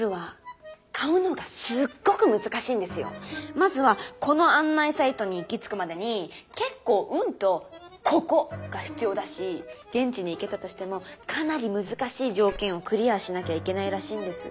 まずはこの案内サイトに行き着くまでに結構運とココが必要だし現地に行けたとしてもかなり難しい条件をクリアしなきゃいけないらしいんです。